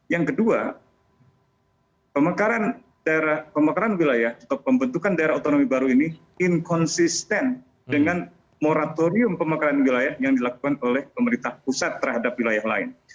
yang kedua pemekaran wilayah atau pembentukan daerah otonomi baru ini inkonsisten dengan moratorium pemekaran wilayah yang dilakukan oleh pemerintah pusat terhadap wilayah lain